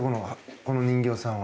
この人形さんは。